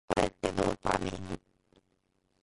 これってドーパミン？